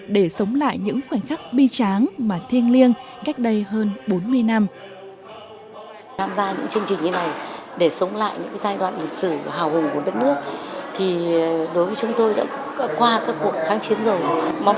để sống lại những khoảnh khắc bi tráng mà thiêng liêng cách đây hơn bốn mươi năm